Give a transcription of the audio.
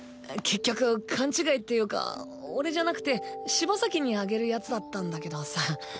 結局勘違いっていうか俺じゃなくて柴崎にあげるやつだったんだけどさ。